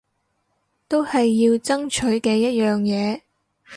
都係要爭取嘅一樣嘢